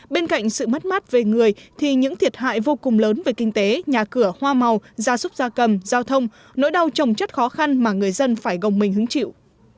bên cạnh sự mất mát về người thì những thiệt hại vô cùng lớn về kinh tế nhà cửa hoa màu gia súc gia cầm giao thông nỗi đau trồng chất khó khăn mà người dân phải gồng mình hứng chịu